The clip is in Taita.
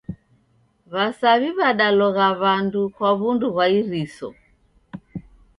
W'asaw'i w'adalogha w'andu kwa w'undu gha iriso.